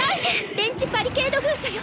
電磁バリケード封鎖よ！